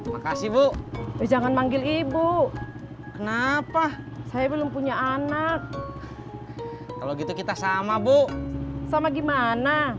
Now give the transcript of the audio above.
makasih bu jangan manggil ibu kenapa saya belum punya anak kalau gitu kita sama bu sama gimana